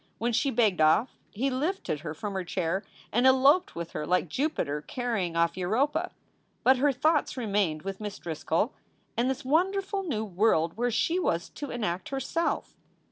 When she begged off he lifted her from her chair and eloped with her like Jupiter carrying off Europa. But her thoughts remained with Miss Driscoll and this wonderful new world where she was to enact her Self.